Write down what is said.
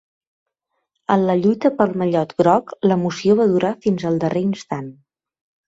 En la lluita pel mallot groc l'emoció va durar fins al darrer instant.